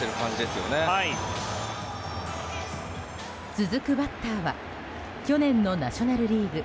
続くバッターは去年のナショナル・リーグ